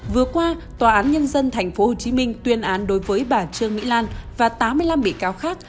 vừa qua tòa án nhân dân tp hcm tuyên án đối với bà trương mỹ lan và tám mươi năm bị cáo khác